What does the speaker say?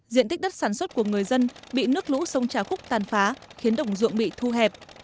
diện tích đất sản xuất của người dân bị nước lũ sông trà khúc tàn phá khiến đồng ruộng bị thu hẹp